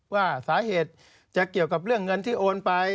ว่าสาเหตุจะเกี่ยวกับเรื่องเงินที่โอนไป